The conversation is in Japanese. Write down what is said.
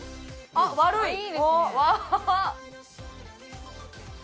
あっいい！